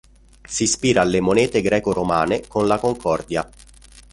Si ispira alle monete greco-romane con la Concordia.